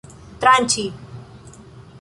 tranĉi